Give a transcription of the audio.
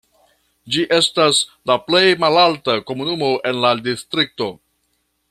Ĝi estas la plej malalta komunumo en la distrikto.